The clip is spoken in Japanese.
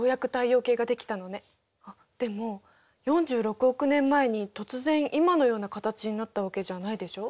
あっでも４６億年前に突然今のような形になったわけじゃないでしょう？